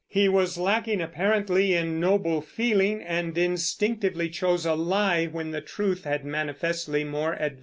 He was lacking, apparently, in noble feeling, and instinctively chose a lie when the truth had manifestly more advantages.